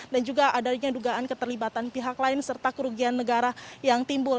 dan juga adanya dugaan keterlibatan pihak lain serta kerugian negara yang timbul